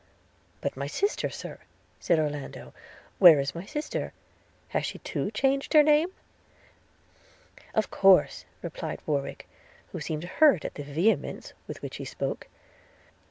'But my sister, Sir,' said Orlando, 'where is my sister? – has she too changed her name?' – 'Of course,' replied Warwick, who seemed hurt at the vehemence with which he spoke.